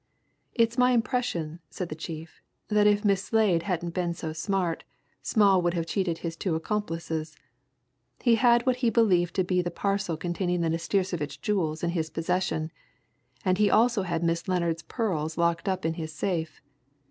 "It's my impression," said the chief, "that if Miss Slade hadn't been so smart, Schmall would have cheated his two accomplices. He had what he believed to be the parcel containing the Nastirsevitch jewels in his possession, and he also had Miss Lennard's pearls locked up in his safe.